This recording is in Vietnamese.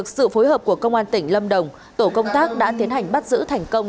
sự phối hợp của công an tỉnh lâm đồng tổ công tác đã tiến hành bắt giữ thành công